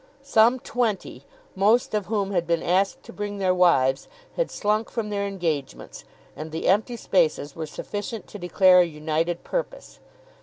Some twenty, most of whom had been asked to bring their wives, had slunk from their engagements, and the empty spaces were sufficient to declare a united purpose.